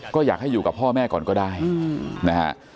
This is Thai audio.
ก็อยากให้อยู่กับพ่อแม่ก่อนก็ได้นะฮะ